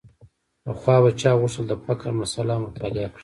پخوا به چا غوښتل د فقر مسأله مطالعه کړي.